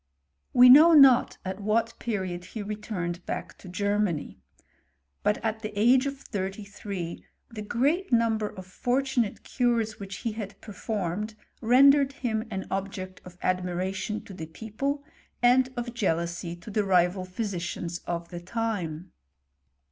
We know not at what period he returned back to Germany; but at the age of thirty three the great number of fortunate cures which he had performed rendered him an object of admiration to the people, aad of jealousy to the rival physicians of the time.